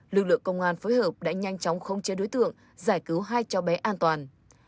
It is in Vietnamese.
lực lượng công an phối hợp đã nhanh chóng khống chế đối tượng giải cứu hai cháu bé an toàn